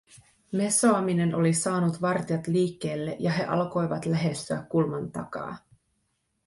Mesoaminen oli saanut vartijat liikkeelle, ja he alkoivat lähestyä kulman takaa.